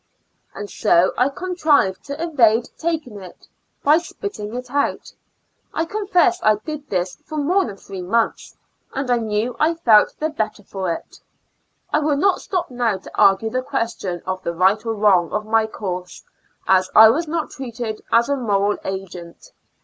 And so I contrived to evade taking it, by spitting it out. I confess I did this for more than three months, and I knew I felt the better for it. I will not stop now to argue the question of the right or wrong of my course, as I was not treated as a moral agent.